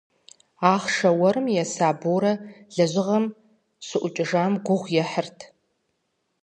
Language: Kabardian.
Ахъшэ уэрым еса Борэ лэжьыгъэм щыӏукӏыжам гугъу ехьырт.